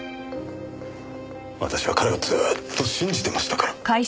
私は彼をずっと信じてましたから。